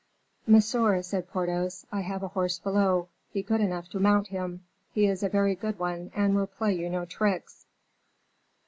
"Monsieur," said Porthos, "I have a horse below: be good enough to mount him; he is a very good one and will play you no tricks."